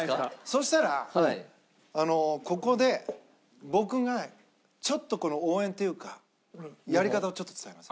そしたらここで僕がちょっとこの応援っていうかやり方をちょっと伝えます。